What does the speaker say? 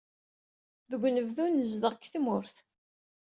Deg unebdu, nzeddeɣ deg tmurt.